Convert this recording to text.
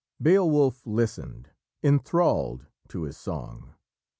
Beowulf listened, enthralled, to his song.